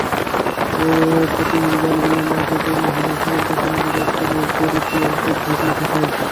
এ প্রতিনিধি দলগুলোর মাঝে বনু হানীফার প্রতিনিধি দলটি নজদের উঁচু অঞ্চল থেকে এসেছে।